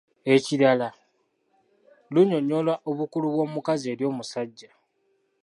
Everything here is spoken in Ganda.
Ekirala, lunnyonnyola obukulu bw’omukazi eri omusajja